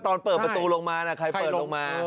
ตอนเปิดประตูลงมาใครเปิดลงมา